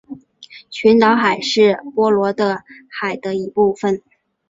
群岛海是波罗的海的一部份。